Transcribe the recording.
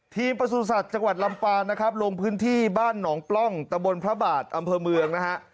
ประสุทธิ์จังหวัดลำปางนะครับลงพื้นที่บ้านหนองปล้องตะบนพระบาทอำเภอเมืองนะฮะ